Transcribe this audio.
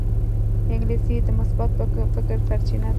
انګلیسي د مثبت فکر سرچینه ده